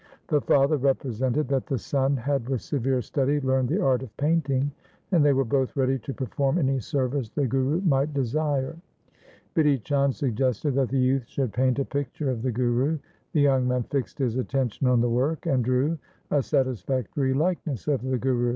The father represented that the son had with severe study learned the art of painting, and they were both ready to perform any service the Guru might desire. Bidhi Chand suggested that the youth should paint 1 War XXXVI. THE SIKH RELIGION a picture of the Guru. The young man fixed his attention on the work, and drew a satisfactory like ness of the Guru.